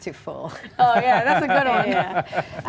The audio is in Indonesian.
oh iya itu yang bagus